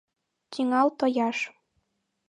Тÿҥал тояш